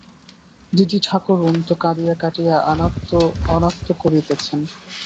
দিদি-ঠাকরুন তো কাঁদিয়া কাটিয়া অনাত্ত করিতেছেন।